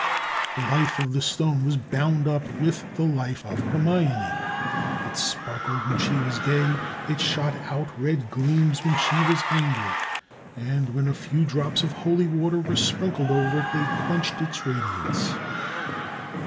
The life of the stone was bound up with the life of Hermione; it sparkled when she was gay, it shot out red gleams when she was angry; and when a few drops of holy water were sprinkled over it, they quenched its radiance.